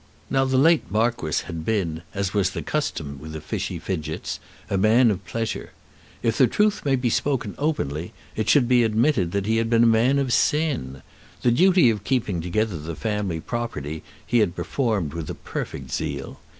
Now the late Marquis had been, as was the custom with the Fichy Fidgetts, a man of pleasure. If the truth may be spoken openly, it should be admitted that he had been a man of sin. The duty of keeping together the family property he had performed with a perfect zeal.